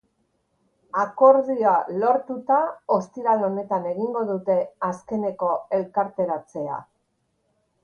Akordio lortuta, ostiral honetan egingo dute azkeneko elkarretaratzea.